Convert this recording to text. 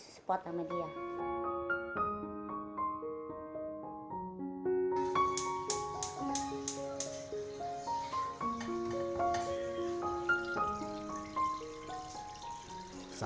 setelah berusaha untuk mengurangi kekuatan dia menemukan kekuatan yang lebih besar